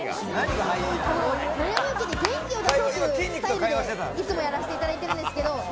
悩みを聞いて、元気を出そうというスタイルでいつもやらせていただいてるんですけれども。